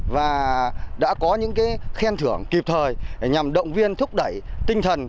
và đã có những khen thưởng kịp thời nhằm động viên thúc đẩy tinh thần